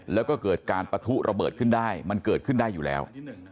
แล้วก็เกิดการปะทุระเบิดขึ้นได้มันเกิดขึ้นได้อยู่แล้ว